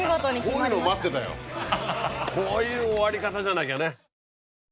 こういう終わり方じゃなきゃね。